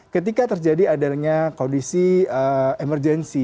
ketika terjadi adanya kondisi emergensi